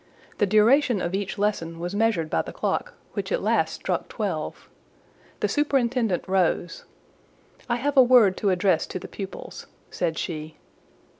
The duration of each lesson was measured by the clock, which at last struck twelve. The superintendent rose— "I have a word to address to the pupils," said she.